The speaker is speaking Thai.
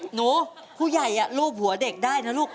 หนูผู้ใหญ่รูปหัวเด็กได้นะลูก